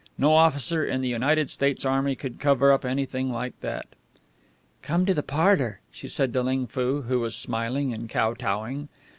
No officer in the United States Army could cover up anything like that. "Come to the parlour," she said to Ling Foo, who was smiling and kotowing.